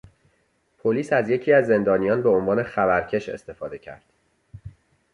پلیس از یکی از زندانیان به عنوان خبر کش استفاده کرد.